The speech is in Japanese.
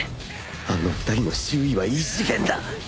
あの２人の周囲は異次元だ